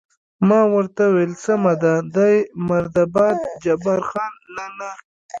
ما ورته وویل: سمه ده، دی مرده باد، جبار خان: نه، نه.